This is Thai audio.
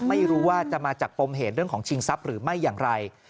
ไม่รู้ว่าจะมาจากปมเหตุเรื่องของชิงทรัพย์หรือไม่อย่างไร